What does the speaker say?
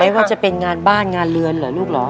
ว่าจะเป็นงานบ้านงานเรือนเหรอลูกเหรอ